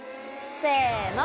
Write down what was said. せの。